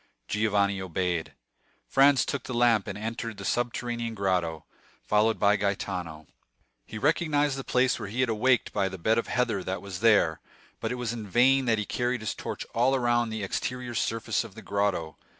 Giovanni obeyed. Franz took the lamp, and entered the subterranean grotto, followed by Gaetano. He recognized the place where he had awaked by the bed of heather that was there; but it was in vain that he carried his torch all round the exterior surface of the grotto.